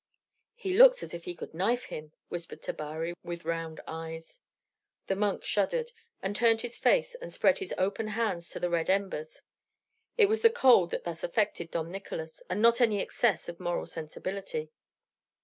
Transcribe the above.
"He looks as if he could knife him," whispered Tabary, with round eyes. The monk shuddered, and turned his face and spread his open hands to the red embers. It was the cold that thus affected Dom Nicolas, and not any excess of moral sensibility.